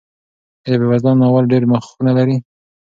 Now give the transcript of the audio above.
آیا بېوزلان ناول ډېر مخونه لري؟